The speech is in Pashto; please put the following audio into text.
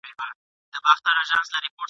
هغه ورځ چي نه لېوه نه قصابان وي ..